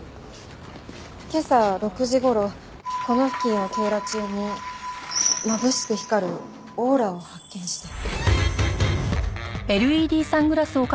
今朝６時頃この付近を警ら中にまぶしく光るオーラを発見して。